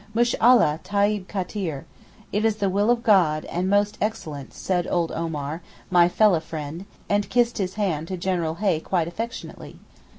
'Mashallah, taib kateer' (It is the will of God, and most excellent), said old Omar, my fellah friend, and kissed his hand to General Hay quite affectionately.